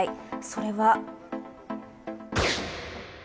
それは。